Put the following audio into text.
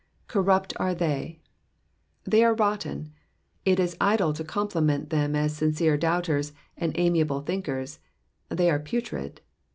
'''^ Corrupt are they.'''* They are rotten. It is idle to compliment them as sincere doubters, and amiable think(:rs — they are putrid.